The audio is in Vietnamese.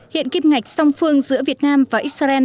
hiện kim ngạch song phương giữa việt nam và israel